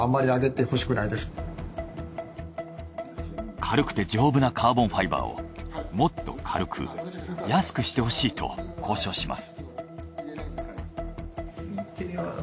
軽くて丈夫なカーボンファイバーをもっと軽く安くしてほしいと交渉します。